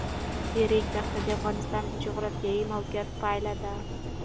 د ریګ دښتې د افغانستان د جغرافیایي موقیعت پایله ده.